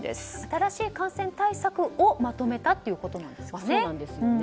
新しい感染対策をまとめたということなんですね。